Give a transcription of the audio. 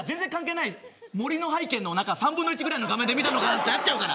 森の背景の中、３分の１ぐらいの画面で見たのかなってなっちゃうから。